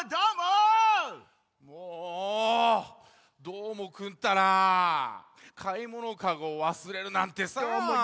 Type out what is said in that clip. どーもくんたらかいものカゴをわすれるなんてさもう。